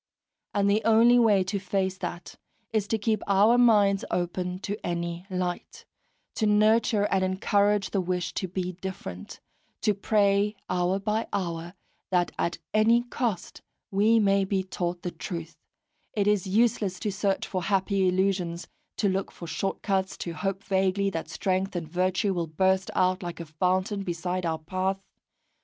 And the only way to face that is to keep our minds open to any light, to nurture and encourage the wish to be different, to pray hour by hour that at any cost we may be taught the truth; it is useless to search for happy illusions, to look for short cuts, to hope vaguely that strength and virtue will burst out like a fountain beside our path.